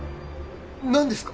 何ですか？